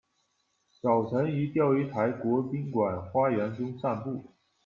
早晨于钓鱼台国宾馆花园中散步。